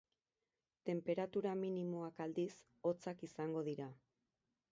Tenperatura minimoak, aldiz, hotzak izango dira.